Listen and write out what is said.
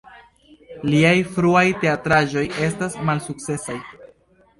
Liaj fruaj teatraĵoj estas malsukcesaj.